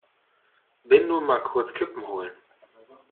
Bin nur mal kurz Kippen holen!